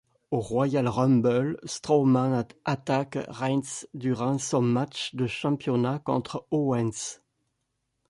Au Royal Rumble, Strowman attaque Reigns durant son match de championnat contre Owens.